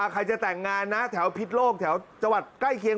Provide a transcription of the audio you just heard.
ใครจะแต่งงานนะแถวพิษโลกแถวจังหวัดใกล้เคียง